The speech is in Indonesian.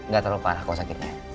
gak terlalu parah kalau sakitnya